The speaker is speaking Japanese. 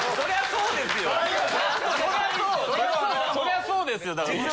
そりゃそうですよ。